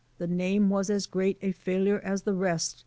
The name was as great a failure as the rest!"